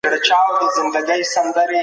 که توليد زيات سي ارزاني راځي.